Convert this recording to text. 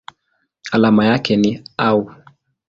Alama yake ni Au.